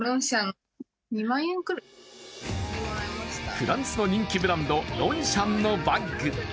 フランスの人気ブランドロンシャンのバッグ。